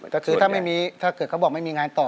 ก็คือถ้าไม่มีถ้าเกิดเขาบอกไม่มีงานต่อ